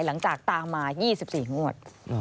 หลังจากตามมา๒๔งวด